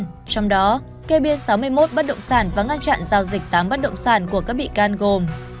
trong đó kê biên sáu mươi một bắt động sản và ngăn chặn giao dịch tám bắt động sản của các bị can gồm